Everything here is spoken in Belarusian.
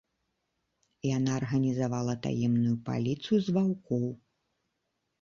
Яна арганізавала таемную паліцыю з ваўкоў.